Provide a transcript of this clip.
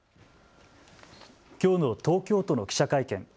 きょうの東京都の記者会見。